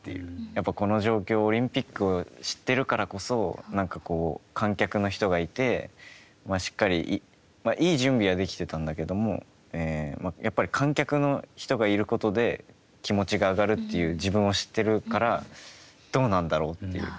やっぱりこの状況、オリンピックを知ってるからこそ、観客の人がいてしっかりいい準備はできてたんだけども、やっぱり観客の人がいることで気持ちが上がるという、自分を知ってるからどうなんだろうという。